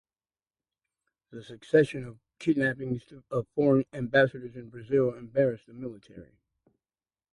The succession of kidnappings of foreign ambassadors in Brazil embarrassed the military government.